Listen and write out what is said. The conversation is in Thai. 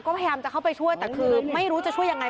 ก็พยายามจะเข้าไปช่วยแต่คือไม่รู้จะช่วยยังไง